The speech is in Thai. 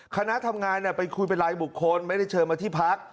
คณะทำงานไปคุยเป็นรายบุคคลไม่ได้เชิญมาที่พัก